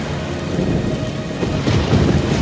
dia menemukan batu petir